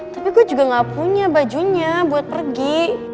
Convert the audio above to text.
tapi gue juga gak punya bajunya buat pergi